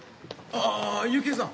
ああっ幸恵さん。